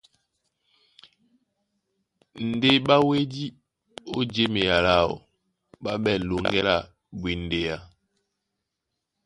Ná ɓá wédí ó jěmea láō, ɓá ɓɛ̂n loŋgɛ́ lá bwindea.